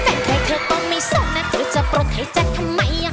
แฟนเก่าเธอก็ไม่สบนะเธอจะปรดเธอจะทำไม